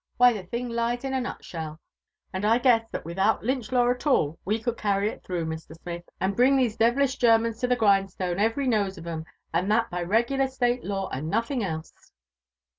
Why the thing lies in a nut shell, and I guess that without Lynch*law «l all we tiofM carry it through, Mr. Smith, and bring these devilisb Germans to the grindstone every nose of 'em, and that by regolar State^law and nothing else."